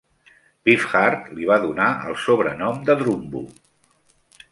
Beefheart li va donar el sobrenom de "Drumbo".